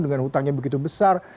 dengan hutangnya begitu besar